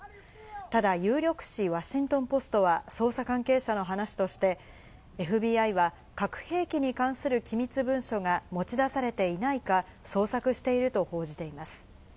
ただ有力紙・ワシントンポストは捜査関係者の話として、ＦＢＩは核兵器に関する機密文書が持ち出されていないか捜索していると報じています。